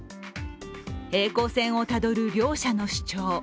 平行線をたどる両者の主張。